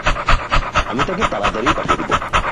আমি তাকে তারাতাড়িই পাঠিয়ে দিবো।